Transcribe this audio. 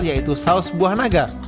yaitu saus buah naga